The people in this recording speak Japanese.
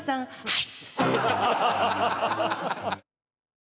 はい！